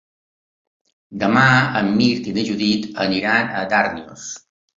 Demà en Mirt i na Judit aniran a Darnius.